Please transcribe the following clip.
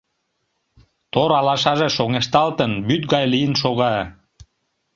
Тор алашаже шоҥешталтын, вӱд гай лийын шога.